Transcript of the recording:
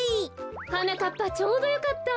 はなかっぱちょうどよかった。